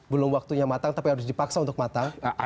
belum waktunya matang tapi harus dipaksa untuk matang